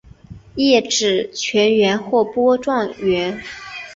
叶纸全缘或波状缘。